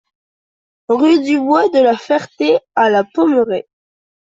Rue Dubois de La Ferté à La Pommeraye